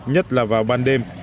nhất là vào ban đêm